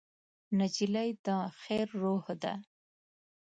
نجلۍ د خیر روح ده.